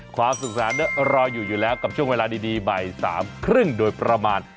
ความศึกษาเนี่ยรออยู่แล้วกับช่วงเวลาดีบ่ายสามครึ่งโดยประมาณ